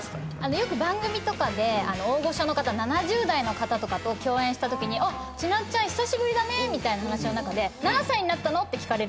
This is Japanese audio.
よく番組とかで大御所の方７０代の方とかと共演したときに「ちなっちゃん久しぶりだね」みたいな話の中で「何歳になったの？」って聞かれるんですよ。